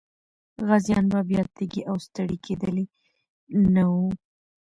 غازيان به بیا تږي او ستړي کېدلي نه وو.